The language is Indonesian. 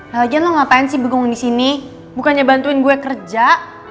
lagian lo ngapain sih bengong disini bukannya bantuin gue kerja